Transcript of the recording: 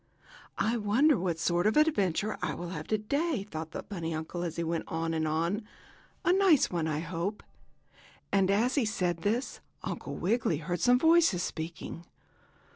"I wonder what sort of an adventure I will have today?" thought the bunny uncle as he went on and on. "A nice one, I hope." And, as he said this, Uncle Wiggily heard some voices speaking.